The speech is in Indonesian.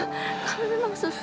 kamu memang susah